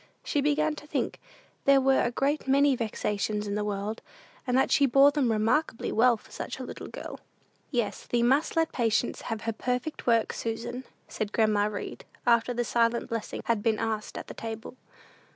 She began to think there were a great many vexations in the world, and that she bore them remarkably well for such a little girl. "Yes, thee must let patience have her perfect work, Susan," said grandma Read, after the "silent blessing" had been asked at the table.